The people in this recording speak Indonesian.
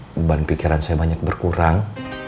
beban pikiran saya banyak berkurang